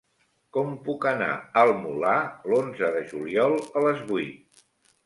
Com puc anar al Molar l'onze de juliol a les vuit?